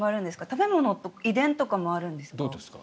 食べ物と遺伝とかもあるんですか？